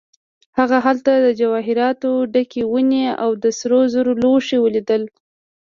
هغه هلته د جواهراتو ډکې ونې او د سرو زرو لوښي ولیدل.